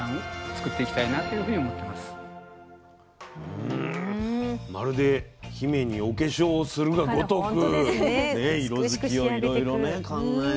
うんまるで姫にお化粧をするがごとく色づきをいろいろ考えて。